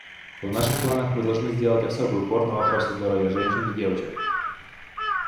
В наших планах мы должны сделать особый упор на вопросе здоровья женщин и девочек.